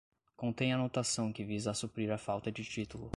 contêm anotação que visa a suprir a falta de título